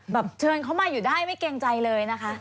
เชิญเขามาอยู่ได้ไม่เกรงใจเลยนะคะ